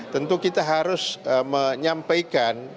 tentu kita harus menyampaikan